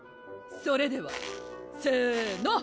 それではせーの！